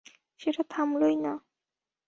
সেটা থামলই না।